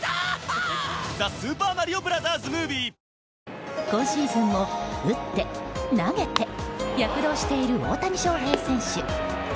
本麒麟今シーズンも打って投げて躍動している大谷翔平選手。